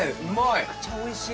めちゃくちゃおいしい。